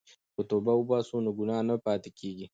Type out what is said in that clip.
که توبه وباسو نو ګناه نه پاتې کیږي.